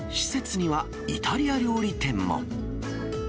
施設にはイタリア料理店も。